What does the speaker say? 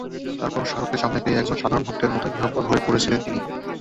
তারপরও শাহরুখকে সামনে পেয়ে একজন সাধারণ ভক্তের মতোই বিহ্বল হয়ে পড়েছিলেন তিনি।